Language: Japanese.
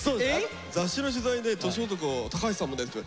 雑誌の取材で「年男橋さんもです」って。